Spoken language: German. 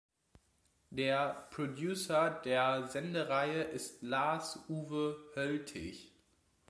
Der Producer der Sendereihe ist Lars Uwe Höltich.